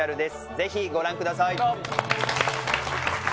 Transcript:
ぜひご覧ください！